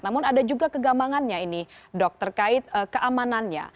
namun ada juga kegambangannya ini dok terkait keamanannya